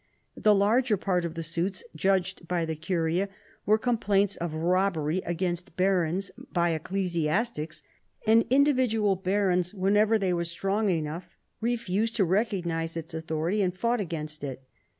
The larger part of the suits judged by the curia were complaints of robbery against barons by ecclesiastics, and individual barons, whenever they were strong enough, refused to recognise its authority and fought against it.